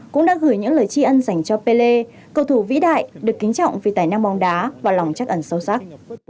cũng đã gửi những lời chi ân dành cho pelle cầu thủ vĩ đại được kính trọng vì tài năng bóng đá và lòng chắc ẩn sâu sắc